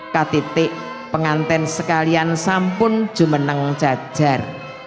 ktt penganten sekalian sampun jumeneng jajar